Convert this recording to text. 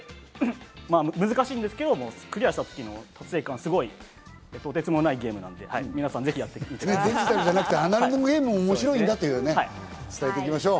難しいんですけど、クリアした時の達成感はすごいとてつもないゲームなので、ぜひ皆さんやっデジタルじゃなくてアナログなゲームも面白いということを伝えていきましょう。